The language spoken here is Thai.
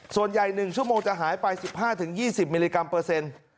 ๑ชั่วโมงจะหายไป๑๕๒๐มิลลิกรัมเปอร์เซ็นต์